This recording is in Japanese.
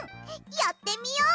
やってみよう！